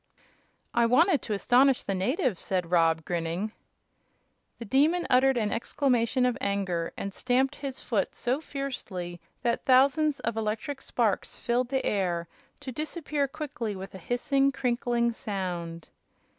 "I wanted to astonish the natives," said Rob, grinning. The Demon uttered an exclamation of anger, and stamped his foot so fiercely that thousands of electric sparks filled the air, to disappear quickly with a hissing, crinkling sound.